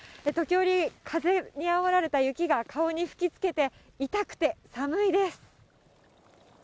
時折、風にあおられた雪が顔に吹きつけて、痛くて寒いです。